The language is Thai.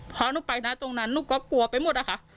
พอหนูไปนะตรงนั้นหนูก็กลัวไปหมดอะค่ะ